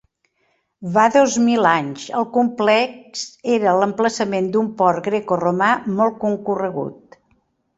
Va dos mil anys, el complex era l'emplaçament d'un port grecoromà molt concorregut.